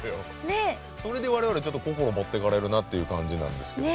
それで我々ちょっと心持ってかれるなっていう感じなんですけども。